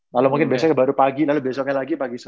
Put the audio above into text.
lalu mungkin besoknya baru pagi lalu besoknya lagi pagi sore